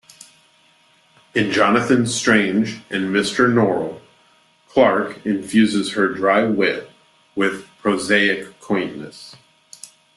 In "Jonathan Strange and Mr Norrell", Clarke infuses her dry wit with prosaic quaintness.